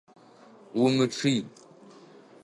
Умычъый!